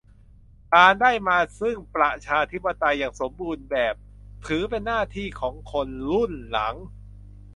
การได้มาซึ่งประชาธิปไตยอย่างสมบูรณ์แบบถือเป็นหน้าที่ของคนรุ่นหลัง